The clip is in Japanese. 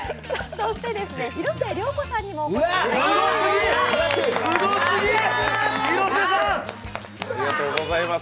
そして広末涼子さんにもお越しいただいています。